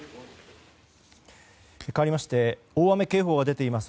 かわりまして大雨警報が出ています